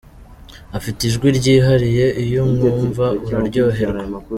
Afite ijwi ryihariye, iyo umwumva uraryoherwa.